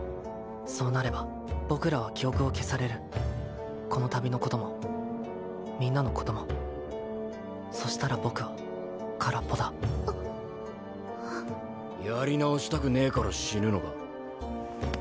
そうなれば僕らは記憶を消されるこの旅のこともみんなのこともそしたら僕は空っぽだやり直したくねえから死ぬのか？